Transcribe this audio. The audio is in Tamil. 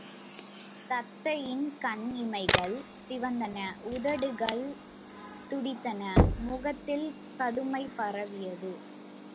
தத்தையின் கண் இமைகள் சிவந்தன உதடுகள் துடித்தன முகத்தில் கடுமை பரவியது.